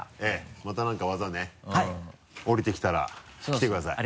また何か技ね降りてきたら来てください。